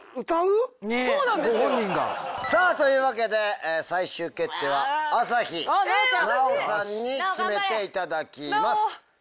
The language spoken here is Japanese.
さあというわけで最終決定は朝日奈央さんに決めていただきます。